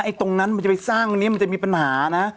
ตรงนั้นมันจะไปสร้างตรงนี้มันจะมีปัญหานะ